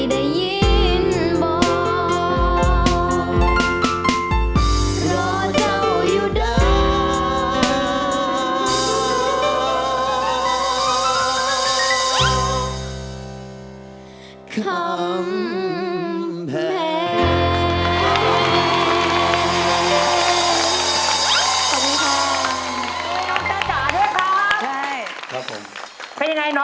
ได้ยินบอกรอเจ้าอยู่เดิม